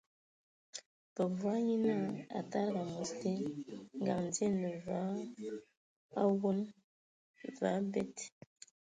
Bǝvɔg nye naa a tadigi amos te, ngaŋ dzie e ne ve awon, və abed.